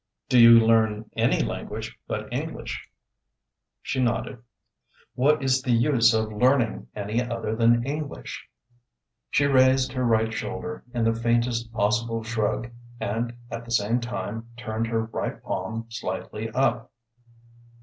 "Do you learn any language but English?" She nodded. "What is the use of learning any other than English?" She raised her right shoulder in the faintest possible shrug and at the same time turned her right palm slightly up.